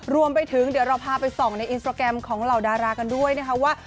รวมไปถึงเดี๋ยวเราพาไปส่องในอินสตราแกรมของเหล่าดารากันด้วยนะคะว่า